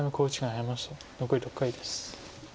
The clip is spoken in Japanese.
残り６回です。